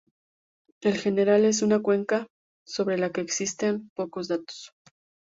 En general es una cuenca sobre la que existen pocos datos.